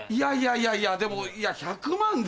いやいやでも１００万で？